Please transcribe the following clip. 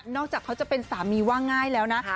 จากเขาจะเป็นสามีว่าง่ายแล้วนะ